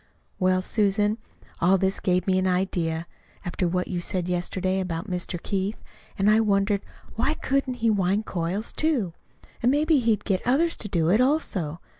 "Well, Susan, all this gave me an idea, after what you said yesterday about Mr. Keith. And I wondered why couldn't he wind coils, too? And maybe he'd get others to do it also.